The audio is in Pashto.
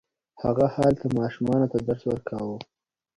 هغه هلته ماشومانو ته درس ورکاوه.